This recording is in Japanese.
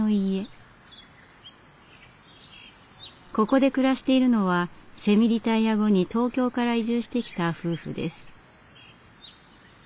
ここで暮らしているのはセミリタイア後に東京から移住してきた夫婦です。